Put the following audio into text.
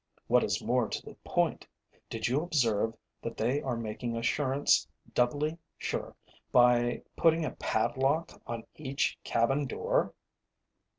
What is more to the point, did you observe that they are making assurance doubly sure by putting a padlock on each cabin door?"